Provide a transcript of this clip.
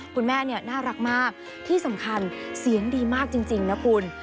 คุณแม่เนี่ยน่ารักมากที่สำคัญเสียงดีมากจริงนะคุณ